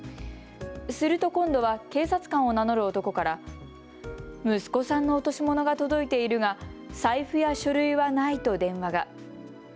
すると今度は警察官を名乗る男から息子さんの落とし物が届いているが財布や書類はないと電話が。